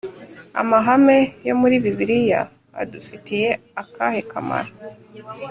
Amahame yo muri Bibiliya adufitiye akahe kamaro?